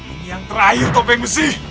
ini yang terakhir topeng besi